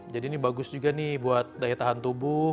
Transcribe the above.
jadi ini bagus juga nih buat daya tahan tubuh